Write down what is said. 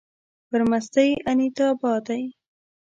پر مستۍ انيتابا دی